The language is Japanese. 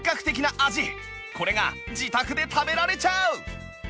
これが自宅で食べられちゃう！